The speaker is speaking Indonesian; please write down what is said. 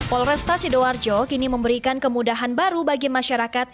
polresta sidoarjo kini memberikan kemudahan baru bagi masyarakat